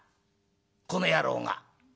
この野郎が？